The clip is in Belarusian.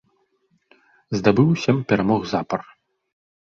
Здабыў сем перамог запар.